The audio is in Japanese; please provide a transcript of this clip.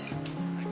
はい。